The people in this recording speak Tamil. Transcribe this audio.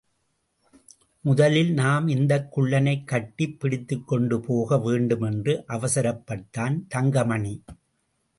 முதலில் நாம் இந்தக் குள்ளனைக் கட்டிப் பிடித்துக்கொண்டு போக வேண்டும் என்று அவசரப்பட்டான் தங்கமணி.